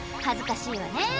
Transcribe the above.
恥ずかしいわね。